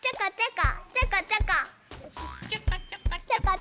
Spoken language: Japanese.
ちょこちょこ。